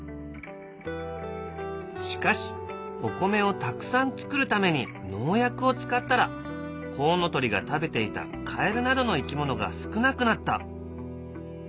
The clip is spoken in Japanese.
しかしお米をたくさん作るために農薬を使ったらコウノトリが食べていたカエルなどの生き物が少なくなった。